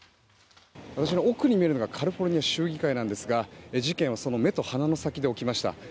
私の奥に見えるのがカリフォルニア州議会なんですが事件はその目と鼻の先で起きました。